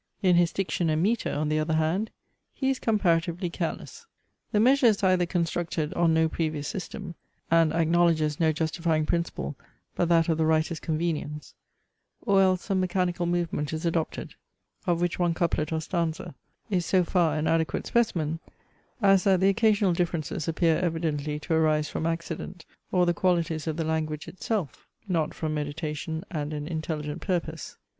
In his diction and metre, on the other hand, he is comparatively careless. The measure is either constructed on no previous system, and acknowledges no justifying principle but that of the writer's convenience; or else some mechanical movement is adopted, of which one couplet or stanza is so far an adequate specimen, as that the occasional differences appear evidently to arise from accident, or the qualities of the language itself, not from meditation and an intelligent purpose.